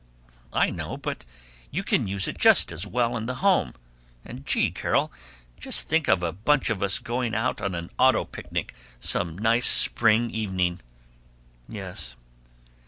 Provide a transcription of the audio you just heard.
"I know, but you can use it just as well in the home. And gee, Carol, just think of a bunch of us going out on an auto picnic, some nice spring evening." "Yes."